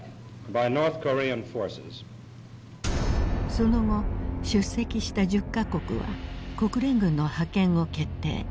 その後出席した１０か国は国連軍の派遣を決定。